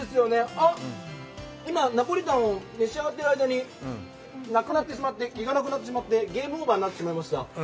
あ、今ナポリタンを召し上がっている間に、なくなってしまってゲームオーバーになってしまいました。